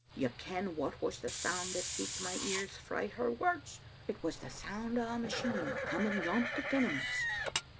You ken what was the sound that keeped my ears frae her words; it was the sound o' a machine coming yont the Tenements.